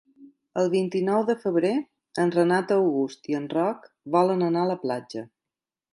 El vint-i-nou de febrer en Renat August i en Roc volen anar a la platja.